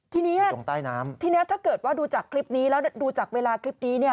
ที่นี่ถ้าเกิดว่าดูจากคลิปนี้แล้วดูจากเวลาคลิปนี้